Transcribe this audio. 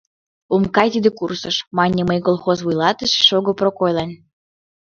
— Ом кай тиде курсыш, — маньым мый колхоз вуйлатыше Шого Прокойлан.